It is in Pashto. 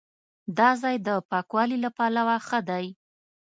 دا ځای د پاکوالي له پلوه ښه دی.